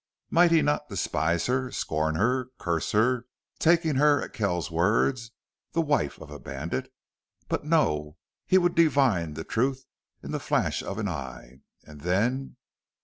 Might he not despise her, scorn her, curse her, taking her at Kells's word, the wife of a bandit? But no! he would divine the truth in the flash of an eye. And then!